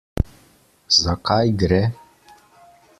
Za kaj gre?